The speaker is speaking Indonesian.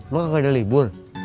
lu gak ada libur